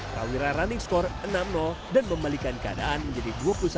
trawira running score enam dan membalikan keadaan menjadi dua puluh satu delapan belas